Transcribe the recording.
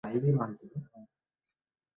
তিনি আরবি ভাষায় লেখালেখি করেছেন।